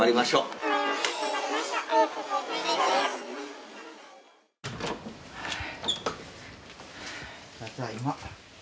ただいま。